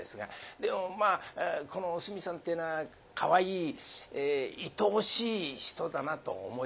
でもまあこのおすみさんってえのはかわいいいとおしい人だなと思います。